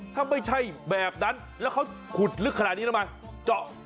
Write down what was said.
ถ้าไม่ใช่แบบนั้นแล้วเขาขุดลึกขนาดนี้ทำไมเจาะ